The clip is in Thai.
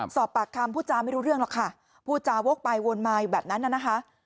สอบปากคำผู้จารย์ไม่รู้เรื่องเหลือคะผู้จารย์โว๊กไปวนมาอยู่แบบนั้นน่ะนะคะ